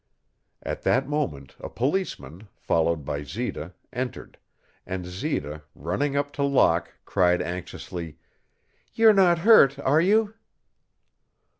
At that moment a policeman, followed by Zita, entered, and Zita, running up to Locke, cried, anxiously, "You're not hurt are you?"